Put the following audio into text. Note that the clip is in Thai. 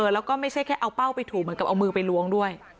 แล้วก็ไม่ใช่แค่เอาเป้าไปถูกเหมือนกับเอามือไปล้วงด้วย